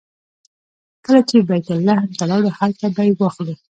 کله چې بیت لحم ته لاړو هلته به یې واخلو.